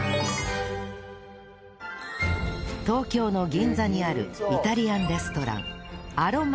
東京の銀座にあるイタリアンレストラン